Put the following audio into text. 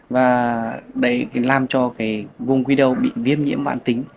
và làm cho vùng quy đầu bị viết